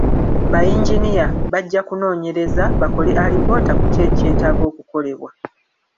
Ba yinginiya bajja kunoonyereza bakole alipoota ku ki ekyetaaga okukolebwa.